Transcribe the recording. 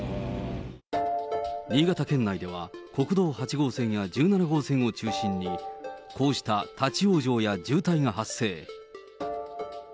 新潟県内では、国道８号線や１７号線を中心に、こうした立往生や渋滞が発生。